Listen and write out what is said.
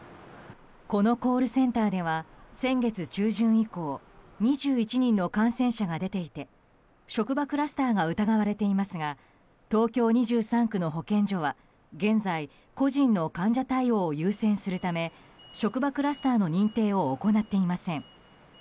このコールセンターでは先月中旬以降２１人の感染者が出ていて職場クラスターが疑われていますが東京２３区の保健所は現在、個人の患者対応を優先するため職場クラスターの認定を行っていません。